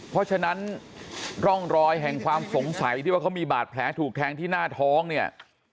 เพราะฉะนั้นร่องรอยแห่งความสงสัยที่ว่าเขามีบาดแผลถูกแทงที่หน้าท้องเนี่ย